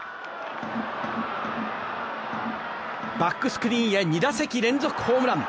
バックスクリーンへ２打席連続ホームラン。